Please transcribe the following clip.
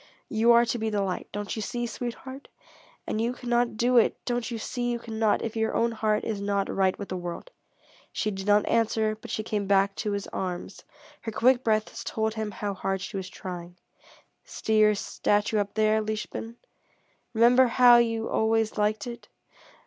You are to be the light don't you see, sweetheart? And you cannot do it, don't you see you cannot, if your own heart is not right with the world?" She did not answer, but she came back to his arms. Her quick breath told him how hard she was trying. "See your statue up there, liebchen? Remember how you always liked it?